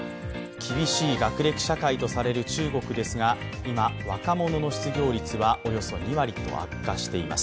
厳しい学歴社会とされる中国ですが、今、若者の失業率はおよそ２割と悪化しています。